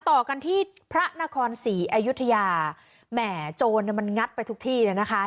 ต่อกันที่พระนครศรีอยุธยาแหม่โจรเนี่ยมันงัดไปทุกที่เลยนะคะ